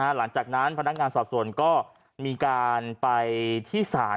หลังจากนั้นพนักงานสอบส่วนก็มีการไปที่ศาล